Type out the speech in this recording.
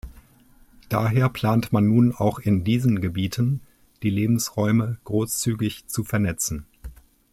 Daher plant man nun auch in diesen Gebieten, die Lebensräume großzügig zu vernetzen.